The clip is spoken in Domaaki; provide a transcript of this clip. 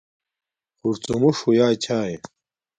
خُرڎُمُݽ ہݸݵئ چھݳݵے.